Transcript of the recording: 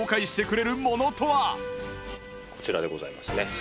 こちらでございますね。